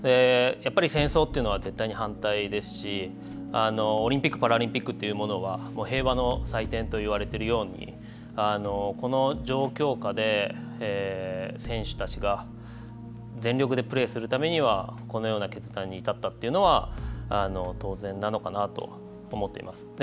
やっぱり戦争というのは絶対に反対ですしオリンピック・パラリンピックというものは平和の祭典といわれているようにこの条件下で選手たちが全力でプレーするためにはこのような決断に至ったというのは当然なのかなと思っています。